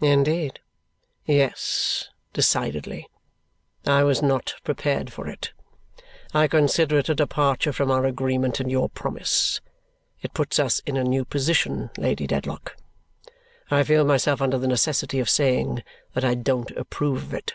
"Indeed?" "Yes, decidedly. I was not prepared for it. I consider it a departure from our agreement and your promise. It puts us in a new position, Lady Dedlock. I feel myself under the necessity of saying that I don't approve of it."